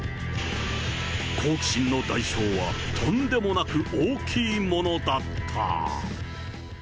好奇心の代償はとんでもなく大きいものだった。